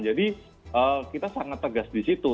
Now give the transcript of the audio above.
jadi kita sangat tegas disitu